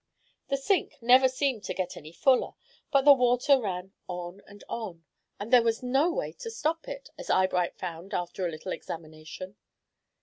The sink never seemed to get any fuller, but the water ran on and on, and there was no way to stop it, as Eyebright found after a little examination.